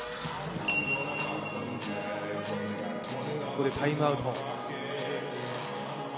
ここでタイムアウト。